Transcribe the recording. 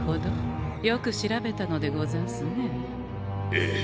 ええ。